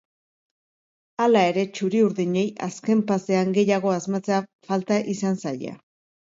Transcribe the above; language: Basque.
Hala ere, txuri-urdinei azken pasean gehiago asmatzea falta izan zaie.